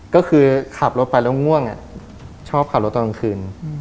ก็คือขับรถไปแล้วง่วงชอบขับรถตอนกลางคืน